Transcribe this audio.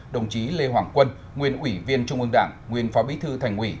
đồng chí lê hoàng quân nguyên ủy viên trung ương đảng nguyên phó bí thư thành ủy